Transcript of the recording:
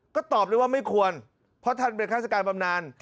ก็ตอบได้ว่าไม่ควรเพราะท่านเป็นฆาติการบำนาน